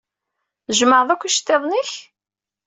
Tjemɛeḍ akk iceṭṭiḍen-ik?